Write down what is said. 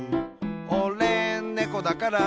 「おれ、ねこだから」